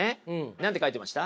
何て書いてました？